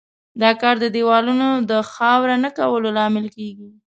دا کار د دېوالونو د خاوره نه کولو لامل کیږي.